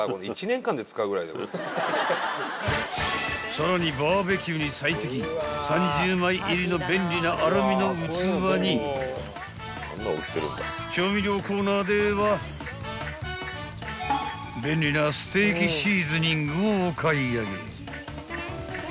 ［さらにバーベキューに最適３０枚入りの便利なアルミの器に調味料コーナーでは便利なステーキシーズニングをお買い上げ］